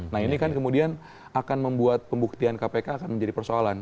nah ini kan kemudian akan membuat pembuktian kpk akan menjadi persoalan